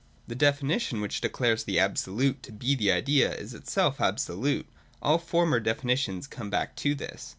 The definition, which declares the Absolute to be the Idea, is itself absolute. All former definitions come back to this.